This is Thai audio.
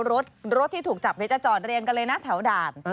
เพราะก็ใกล้คนที่ถูกจับพี่แต่จอดเรียงกันเลยนะแถวด่าน